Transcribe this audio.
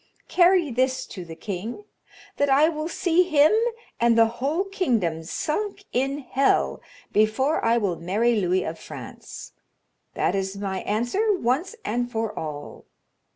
"Carry this to the king: that I will see him and the whole kingdom sunk in hell before I will marry Louis of France. That is my answer once and for all.